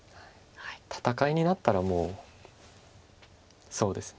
戦いになったらもうそうですね。